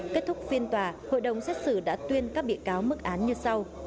kết thúc phiên tòa hội đồng xét xử đã tuyên các bị cáo mức án như sau